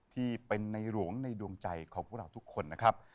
ที่เป็นในหลวงในดวงใจของพวกเราทุกคนนะครับ